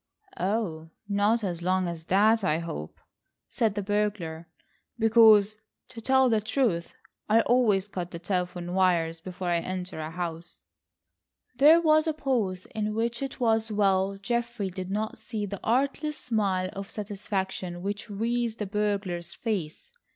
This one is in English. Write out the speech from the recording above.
"Oh, not as long as that, I hope," said the burglar, "because, to tell the truth, I always cut the telephone wires before I enter a house." There was a pause in which it was well Geoffrey did not see the artless smile of satisfaction which wreathed the burglar's face.